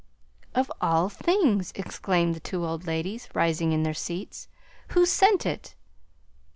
"Of all things!" exclaimed the two old ladies, rising in their seats. "Who sent it?"